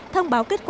thông báo kết quả